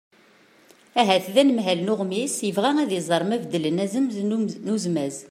ahat d anemhal n uɣmis yebɣa ad iẓer ma beddlen azemz n uzmaz